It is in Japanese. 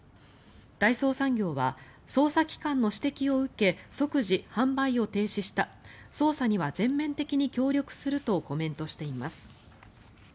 大創産業は捜査機関の指摘を受け即時販売を停止した捜査には全面的に協力するとコメントしています。